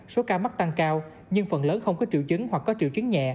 số ca mắc tăng cao nhưng phần lớn không có triệu chứng hoặc có triệu chứng nhẹ